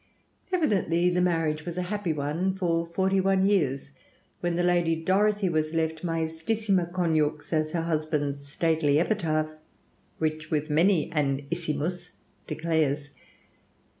Evidently the marriage was a happy one for forty one years, when the Lady Dorothy was left mæstissima conjux, as her husband's stately epitaph, rich with many an issimus, declares.